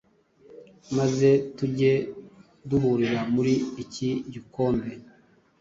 maze tujye duhurira muri iki gikombe,